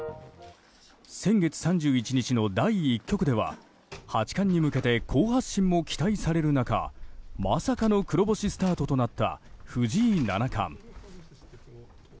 先月３１日の第１局では八冠に向けて好発進も期待される中まさかの黒星スタートとなった藤井七冠。